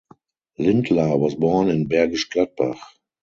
Lindlar was born in Bergisch Gladbach.